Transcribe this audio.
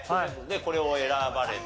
これを選ばれて。